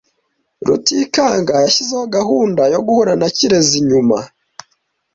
Rutikanga yashyizeho gahunda yo guhura na Kirezi nyuma.